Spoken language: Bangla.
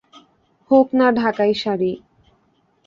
হোক-না ঢাকাই শাড়ি।